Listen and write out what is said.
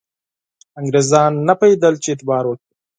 انګرېزان نه پوهېدل چې اعتبار وکړي.